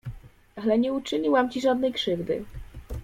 Ale nie uczyniłam ci żadnej krzywdy.